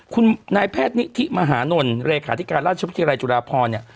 คุณนายแพทย์นิธิมหานลเลขาธิการราชวิทยาลัยจุฬาพรเนี่ย